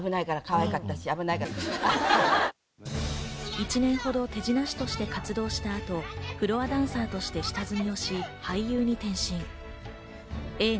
１年ほど手品師として活動した後、フロアダンサーとして下積みし、俳優に転身。